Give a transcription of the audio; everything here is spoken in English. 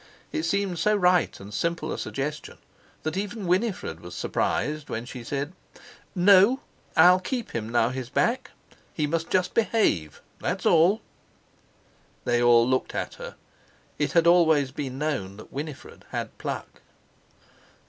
It seemed so right and simple a suggestion that even Winifred was surprised when she said: "No, I'll keep him now he's back; he must just behave—that's all." They all looked at her. It had always been known that Winifred had pluck.